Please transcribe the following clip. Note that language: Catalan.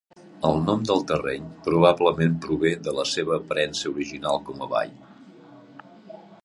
El nom del terreny probablement prové de la seva aparença original com a vall.